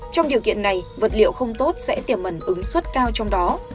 trong điều kiện này vật liệu không tốt sẽ tiềm mẩn ứng xuất cao trong đó